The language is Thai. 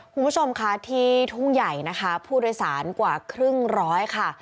คุณผู้ชมค่ะที่ทุ่งใหญ่นะคะผู้โดยสารกว่าครึ่งร้อยค่ะ